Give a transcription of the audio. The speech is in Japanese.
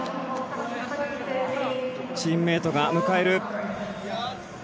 チームメートが迎える。